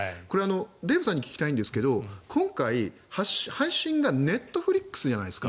デーブさんに聞きたいんですが今回、配信がネットフリックスじゃないですか。